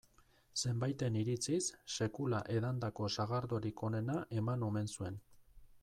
Zenbaiten iritziz, sekula edandako sagardorik onena eman omen zuen.